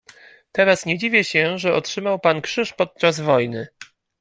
"Teraz nie dziwię się, że otrzymał pan krzyż podczas wojny."